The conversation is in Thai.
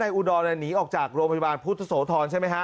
อุดรหนีออกจากโรงพยาบาลพุทธโสธรใช่ไหมฮะ